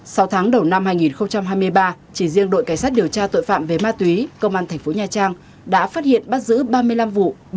sau tháng đầu năm hai nghìn hai mươi ba chỉ riêng đội cảnh sát điều tra tội phạm về ma túy công an thành phố nha trang đã phát hiện bắt giữ ba mươi năm vụ